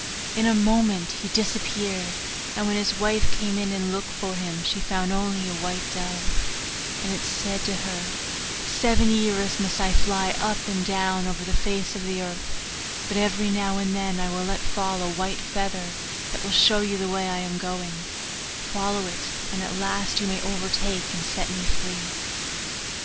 In a moment he disappeared, and when his wife came in and looked for him, she found only a white dove; and it said to her, 'Seven years must I fly up and down over the face of the earth, but every now and then I will let fall a white feather, that will show you the way I am going; follow it, and at last you may overtake and set me free.